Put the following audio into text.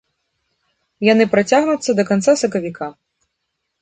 Яны працягнуцца да канца сакавіка.